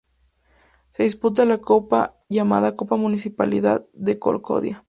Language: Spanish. Se disputa la copa llamada Copa Municipalidad de Concordia.